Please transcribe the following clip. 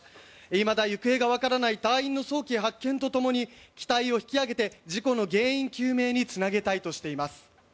いまだ行方がわからない隊員の早期発見とともに機体を引き揚げて事故の原因究明につなげたいとしています。